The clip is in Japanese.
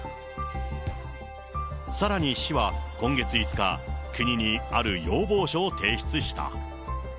さらに市は、今月５日、国にある要望書を提出した。